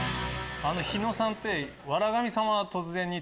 日野さんって。